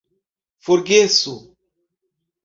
forgesu